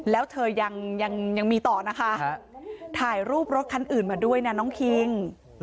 แล้วเธอยังมีต่อนะคะถ่ายรูปรถคันอื่นมาด้วยนะน้องคิง